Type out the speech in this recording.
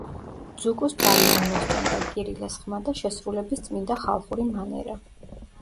ძუკუს ძალიან მოსწონდა კირილეს ხმა და შესრულების წმინდა ხალხური მანერა.